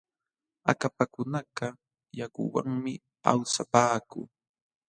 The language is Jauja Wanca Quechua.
Akapakunakaq yakuwanmi awsapaaku.